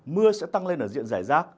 mưa sẽ tăng lên ở diện giải rác